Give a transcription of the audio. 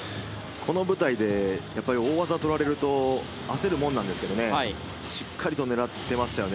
この舞台で大技取られると焦るもんなんですけれど、しっかりと狙っていましたよね。